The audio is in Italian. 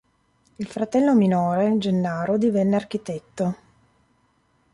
Il fratello minore, Gennaro divenne architetto.